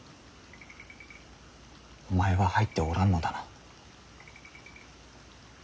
お前は入っておらんのだな。